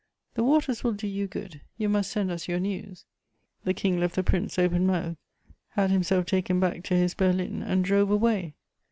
The waters will do you good: you must send us your news." The King left the prince open mouthed, had himself taken back to his berlin, and drove away.